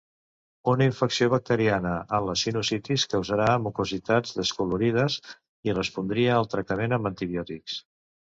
Una infecció bacteriana en la sinusitis causarà mucositats descolorides i respondria al tractament amb antibiòtics.